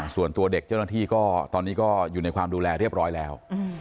ส่วนตัวเด็กเจ้าหน้าที่ก็ตอนนี้ก็อยู่ในความดูแลเรียบร้อยแล้ว